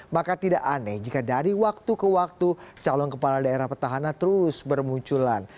maka tidak aneh jika dari waktu ke waktu calon kepala daerah petahana terus bermunculan